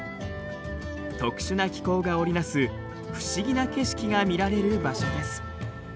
特殊な気候が織り成す不思議な景色が見られる場所です。